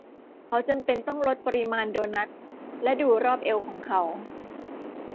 เขาจำเป็นต้องลดปริมาณโดนัทและดูรอบเอวของเขา